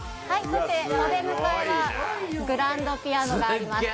そしてお出迎えはグランドピアノがあります